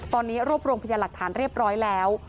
ตอนนี้รวบรวมพยานหลักฐานเรียบร้อยแล้ว